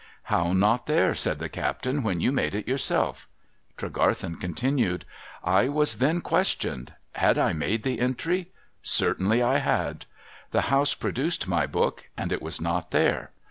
' How not there,' said the captain, ' when you made it yourself? ' Tregarthen continued :— 'I was then questioned. Had I made the entry? Certainly I had. The house produced my book, and it was not there.